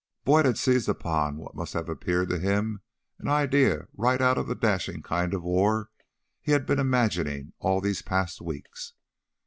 Boyd had seized upon what must have seemed to him an idea right out of the dashing kind of war he had been imagining all these past weeks.